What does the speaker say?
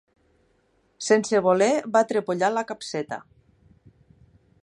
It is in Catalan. Sense voler va trepollar la capseta.